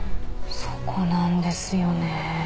そこなんですよね。